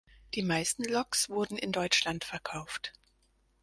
Die meisten Loks wurden in Deutschland verkauft.